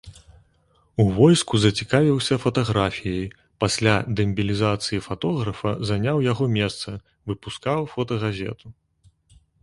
У войску зацікавіўся фатаграфіяй, пасля дэмабілізацыі фатографа заняў яго месца, выпускаў фотагазету.